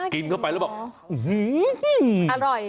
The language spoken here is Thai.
กินเข้าไปแล้วบอกอื้อหือหืออร่อย